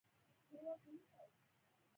چپه خوله، د زغم ښکارندویي کوي.